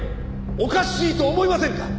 「おかしいと思いませんか？」